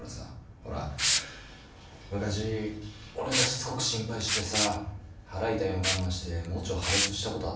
ほら昔俺がしつこく心配してさ腹痛いの我慢して盲腸破裂したことあったじゃん。